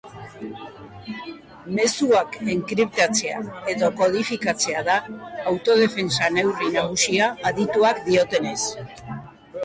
Mezuak enkriptatzea edo kodifikatzea da autodefentsa neurri nagusia adituek diotenez.